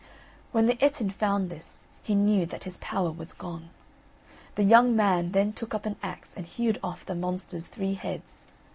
When the Ettin found this, he knew that his power was gone. The young man then took up an axe and hewed off the monster's three heads.